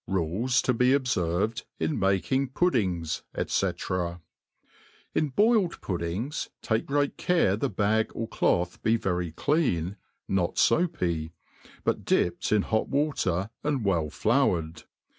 RU LE S to be obferved in making P U D D I N G S, &c, IN boiled puddings, take great care the bag or cloth be verjr clean, not foapy, but dipped in hot water, and well floured..